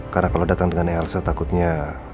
karena kalau datang dengan elsa takutnya